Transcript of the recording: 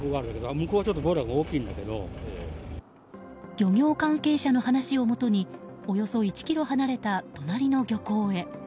漁業関係者の話をもとにおよそ１ｋｍ離れた隣の漁港へ。